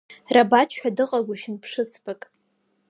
Раџьаб ҳәа дыҟагәышьан Ԥшыцбак.